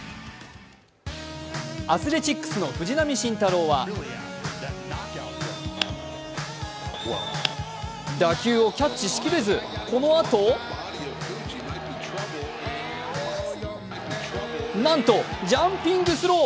アスレチックスの藤浪晋太郎は打球をキャッチしきれずこのあとなんとジャンピングスロー。